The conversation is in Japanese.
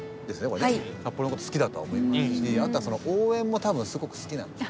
これね札幌のこと好きだと思いますしあとは応援も多分すごく好きなんでしょうね。